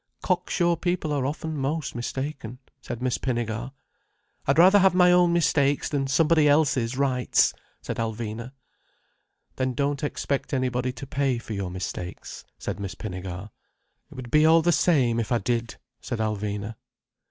"Cock sure people are often most mistaken," said Miss Pinnegar. "I'd rather have my own mistakes than somebody else's rights," said Alvina. "Then don't expect anybody to pay for your mistakes," said Miss Pinnegar. "It would be all the same if I did," said Alvina.